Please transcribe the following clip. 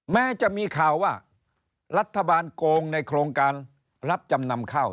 แม้จะมีข่าวว่ารัฐบาลโกงในโครงการรับจำนำข้าว